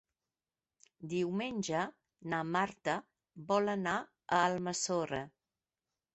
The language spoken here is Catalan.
Diumenge na Marta vol anar a Almassora.